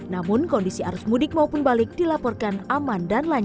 namun kondisi arus mudik maupun balik dilaporkan aman